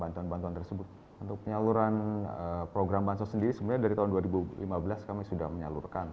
bantuan bantuan tersebut untuk penyaluran program bansos sendiri sebenarnya dari tahun dua ribu lima belas kami sudah menyalurkan